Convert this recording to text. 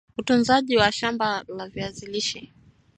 utunzaji wa shamba la viazi lishe